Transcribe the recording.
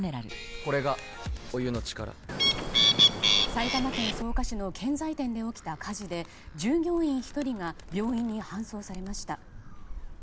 埼玉県草加市の建材店で起きた火事で従業員１人が病院に搬送されました。